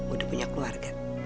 udah punya keluarga